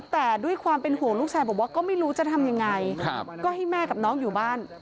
แต่ด้วยความเป็นห่วงลูกชายบอกว่าก็ไม่รู้จะทำยังไงก็ให้แม่กับน้องอยู่บ้าน